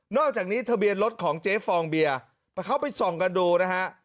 อกจากนี้ทะเบียนรถของเจ๊ฟองเบียร์เขาไปส่องกันดูนะฮะ